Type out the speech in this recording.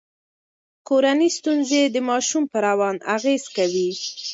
کورنۍ ستونزې د ماشوم په روان اغیز کوي.